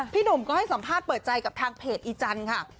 หนุ่มก็ให้สัมภาษณ์เปิดใจกับทางเพจอีจันทร์ค่ะ